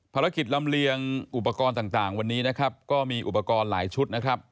ลำเลียงอุปกรณ์ต่างวันนี้นะครับก็มีอุปกรณ์หลายชุดนะครับ